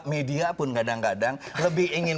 media pun kadang kadang lebih ingin